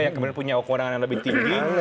yang kemudian punya kewenangan yang lebih tinggi